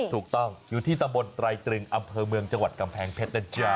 ถูกต้องอยู่ที่ตะบนตรายตรึงมจวดกำแพงเพชร